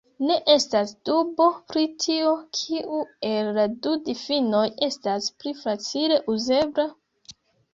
Ne estas dubo, pri tio, kiu el la du difinoj estas pli facile uzebla...